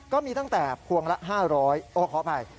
ก็มีตั้งแต่พวงละ๕๐๐ขออภัย